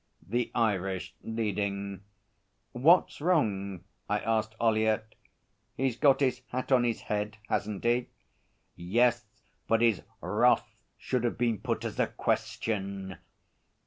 the Irish leading. 'What's wrong?' I asked Ollyett. 'He's got his hat on his head, hasn't he?' 'Yes, but his wrath should have been put as a question.'